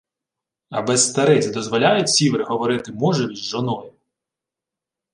— А без стариць дозволяють сіври говорити можеві з жоною?